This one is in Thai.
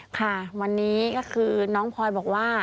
ค่ะวันนี้ก็คือน้องพลอยบอกว่า